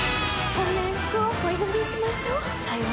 ご冥福をお祈りしましょう。